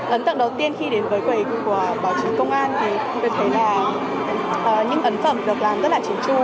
ấn tượng đầu tiên khi đến với quầy của báo chí công an thì tôi được thấy là những ấn phẩm được làm rất là chính chu